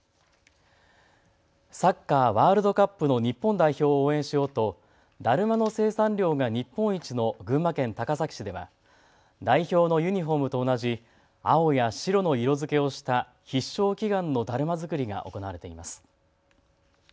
サッカーワールドカップの日本代表を応援しようとだるまの生産量が日本一の群馬県高崎市では代表のユニフォームと同じ青や白の色づけをした必勝祈願のだるま作りが行われています。